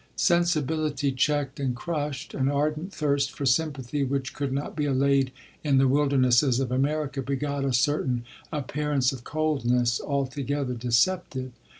Sensi bility checked and crushed, an ardent thirst for sympathy which could not be allayed in the wildernesses of America, begot a certain appear ance of coldness, altogether deceptive.